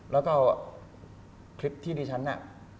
แล้วก็คลิปที่ดิฉันน่ะ